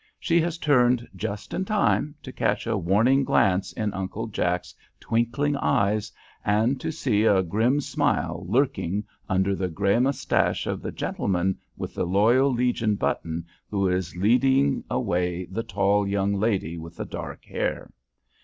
She has turned just in time to catch a warning glance in Uncle Jack's twinkling eyes, and to see a grim smile lurking under the gray moustache of the gentleman with the Loyal Legion button who is leading away the tall young lady with the dark hair.